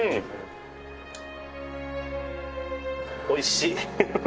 おいしい。